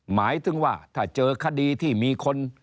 หมายถึงว่าถ้าเจอคดีที่มีคน